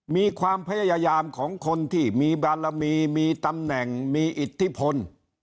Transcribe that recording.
มีความพยายามของคนที่มีบารมีมีตำแหน่งมีอิทธิพล